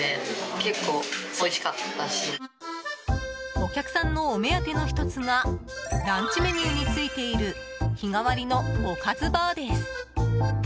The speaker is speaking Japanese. お客さんのお目当ての１つがランチメニューについている日替わりのおかずバーです。